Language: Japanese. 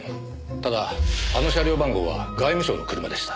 ただあの車両番号は外務省の車でした。